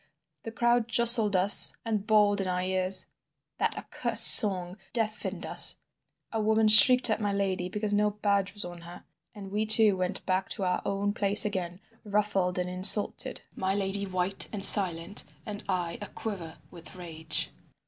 The crowd jostled us and bawled in our ears; that accursed song deafened us; a woman shrieked at my lady because no badge was on her, and we two went back to our own place again, ruffled and insulted—my lady white and silent, and I aquiver with rage.